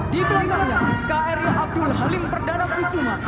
ditelitanya kri abdul halim perdana pusuma